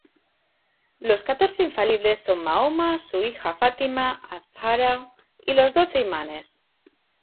Los Catorce Infalibles son Mahoma, su hija Fátima az-Zahra y los Doce Imanes.